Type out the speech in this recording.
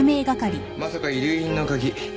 まさか遺留品の鍵